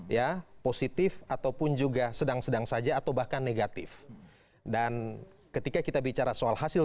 ya positif ataupun juga sedang sedang saja atau bahkan negatif dan ketika kita bicara soal hasil